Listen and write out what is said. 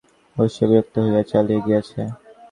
কুমুদ নিশ্চয় আসিয়াছিল, বসিয়া বসিয়া বিরক্ত হইয়া চলিয়া গিয়াছে।